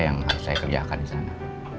yang harus saya kerjakan disana